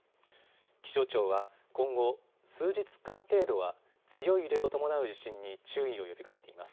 気象庁は今後、数日間程度は強い揺れを伴う地震に注意を呼びかけています。